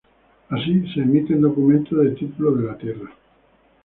Así, se emiten documentos de título de la tierra.